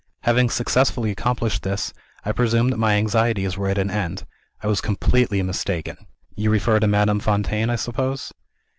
Having successfully accomplished this, I presumed that my anxieties were at an end. I was completely mistaken." "You refer to Madame Fontaine, I suppose?"